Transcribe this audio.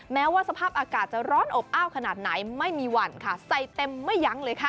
แม้ว่าสภาพอากาศจะร้อนอบอ้าวขนาดไหนไม่มีหวั่นค่ะใส่เต็มไม่ยั้งเลยค่ะ